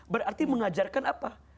berarti mengajarkan apa